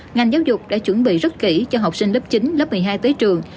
ngành giáo dục đã chuẩn bị rất kỹ cho học sinh lớp chín lớp một mươi hai tới trường